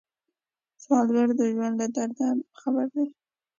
سوالګر د ژوند له درده خبر دی